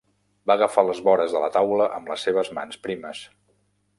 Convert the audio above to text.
Va agafar les vores de la taula amb les seves mans primes.